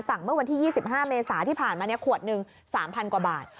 เมื่อวันที่๒๕เมษาที่ผ่านมาขวดหนึ่ง๓๐๐กว่าบาท